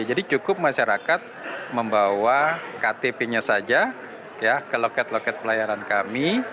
jadi cukup masyarakat membawa ktp nya saja ke loket loket pelayanan kami